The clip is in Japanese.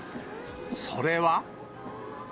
それは。